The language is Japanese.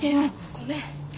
ごめん。